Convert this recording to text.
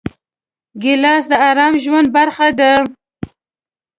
ګیلاس د ارام ژوند برخه ده.